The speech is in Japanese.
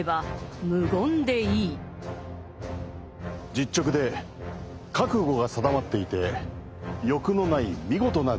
実直で覚悟が定まっていて欲のない見事な人物。